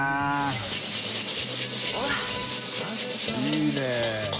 いいね。